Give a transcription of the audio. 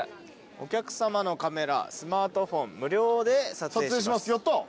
「お客様のカメラスマートフォン無料で撮影します！」